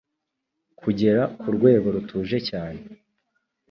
Kugera ku rwego rutuje cyane